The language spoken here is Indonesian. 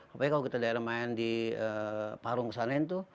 apalagi kalau kita daerah main di parung sana itu